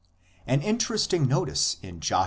An interesting notice in Josh.